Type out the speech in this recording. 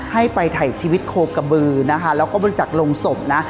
ให้ไปถ่ายชีวิตโคกระบือนะคะแล้วก็บริจักษ์ลงศพนะ